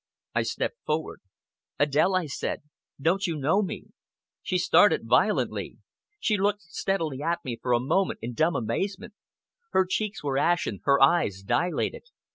I stepped forward. "Adèle," I said, "don't you know me?" She started violently. She looked steadily at me for a moment in dumb amazement. Her cheeks were ashen, her eyes dilated.